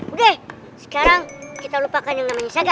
oke sekarang kita lupakan yang namanya saja